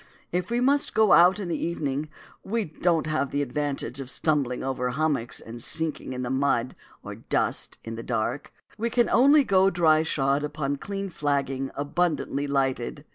If we must go out in the evening, we don't have the advantage of stumbling over hummocks and sinking in the mud or dust in the dark; we can only go dry shod upon clean flagging abundantly lighted.